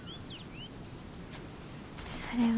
それは。